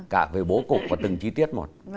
cả về bố cục và từng chi tiết một